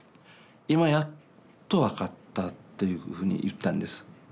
今やっと分かった」っていうふうに言ったんです。